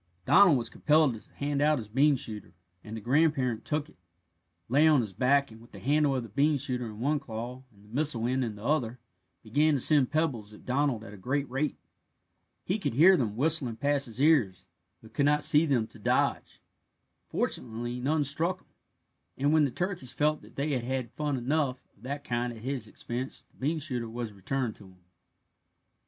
Donald was compelled to hand out his bean shooter, and the grandparent took it, lay on his back, and with the handle of the bean shooter in one claw and the missile end in the other began to send pebbles at Donald at a great rate. He could hear them whistling past his ears, but could not see them to dodge. Fortunately none struck him, and when the turkeys felt that they had had fun enough of that kind at his expense the bean shooter was returned to him.